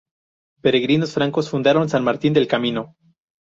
Peregrinos francos fundaron San Martín del Camino.